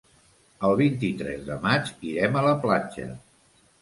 El vint-i-tres de maig irem a la platja.